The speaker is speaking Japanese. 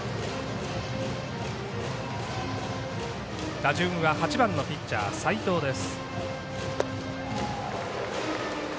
打順は８番のピッチャー齋藤です。